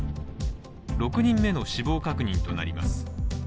６人目の死亡確認となります。